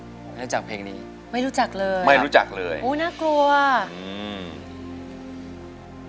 เนื่องจากเพลงนี้ไม่รู้จักเลยไม่รู้จักเลยโอ้น่ากลัวอืม